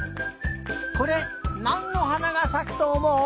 これなんのはながさくとおもう？